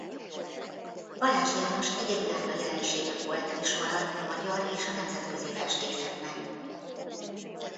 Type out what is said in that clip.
Balázs János egyedülálló jelensége volt és marad a magyar és a nemzetközi festészetnek.